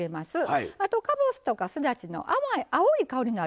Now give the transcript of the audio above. あとかぼすとかすだちの淡い青い香りのあるもの